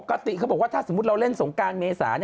เขาบอกว่าถ้าสมมุติเราเล่นสงการเมษา